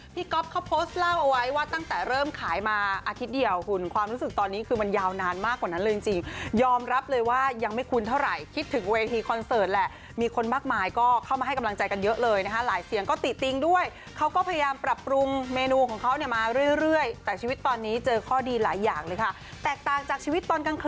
พี่ก๊อฟเขาโพสต์เล่าเอาไว้ว่าตั้งแต่เริ่มขายมาอาทิตย์เดียวคุณความรู้สึกตอนนี้คือมันยาวนานมากกว่านั้นเลยจริงยอมรับเลยว่ายังไม่คุ้นเท่าไหร่คิดถึงเวทีคอนเสิร์ตแหละมีคนมากมายก็เข้ามาให้กำลังใจกันเยอะเลยนะคะหลายเสียงก็ติดติ๊งด้วยเขาก็พยายามปรับปรุงเมนูของเขาเนี่ยมาเรื่อยแต่ชีวิต